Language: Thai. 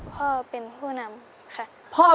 เพราะว่าพ่อเป็นผู้นำ